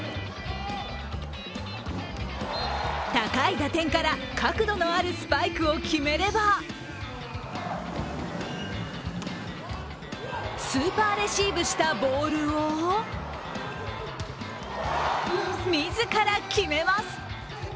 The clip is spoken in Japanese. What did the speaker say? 高い打点から角度のあるスパイクを決めればスーパーレシーブしたボールを自ら決めます。